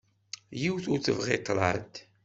Yiwet ur tebɣi ṭṭraḍ.